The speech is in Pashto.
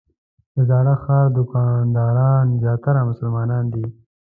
د زاړه ښار دوکانداران زیاتره مسلمانان دي.